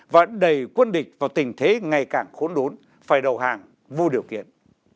và đẩy quân địch vào tình thế ngày càng khốn đốn phải đầu hàng vô điều kiện